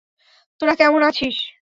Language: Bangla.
তোরা কেমন আছিস?